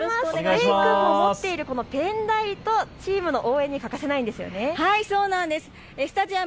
レイくんも持っているこのペンライト、チームの応援に欠かせないんですよね。